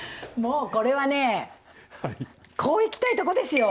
これはね、こういきたいところですよ。